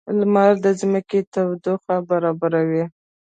• لمر د ځمکې تودوخه برابروي.